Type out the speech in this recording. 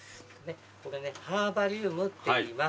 これねハーバリウムっていいます。